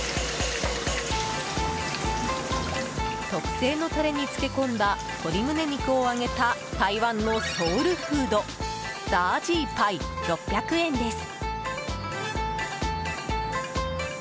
特製のタレに漬け込んだ鶏胸肉を揚げた台湾のソウルフード炸鶏排、６００円です。